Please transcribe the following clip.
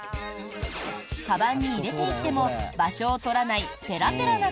かばんに入れていっても場所を取らないペラペラな